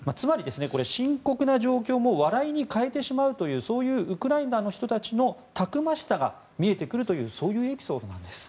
つまり、これは深刻な状況も笑いに変えてしまうというウクライナの人たちのたくましさが見えてくるというそういうエピソードなんです。